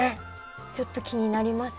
ちょっと気になりますよね。